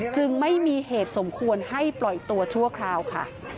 จึงไม่มีเหตุสมควรให้ปล่อยตัวชั่วคราวค่ะ